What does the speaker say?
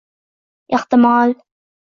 Ehtimol...